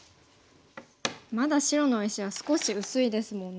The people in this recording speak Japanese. まだ白の石は少し薄いですもんね。